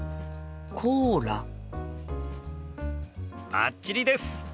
バッチリです！